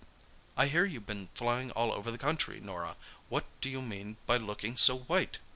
I hear you've been flying all over the country, Norah. What do you mean by looking so white?"